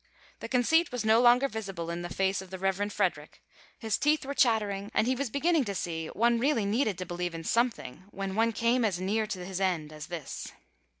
The conceit was no longer visible in the face of the Reverend Frederick. His teeth were chattering, and he was beginning to see one really needed to believe in something when one came as near to his end as this.